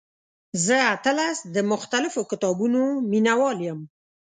زه اتلس د مختلفو کتابونو مینوال یم.